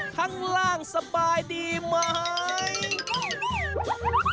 ข้างล่างสบายดีไหม